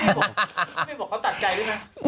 ไม่บอกเขาตัดใจด้วยนะ